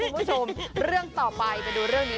คุณผู้ชมเรื่องต่อไปไปดูเรื่องนี้